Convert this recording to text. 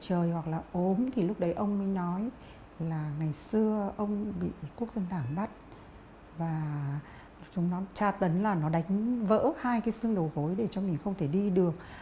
trời hoặc là ốm thì lúc đấy ông mới nói là ngày xưa ông bị quốc dân đảng bắt và chúng nó tra tấn là nó đánh vỡ hai cái xương đầu gối để cho mình không thể đi được